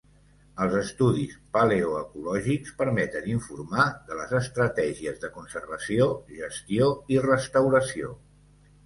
Els estudis paleoecològics permeten informar de les estratègies de conservació, gestió i restauració.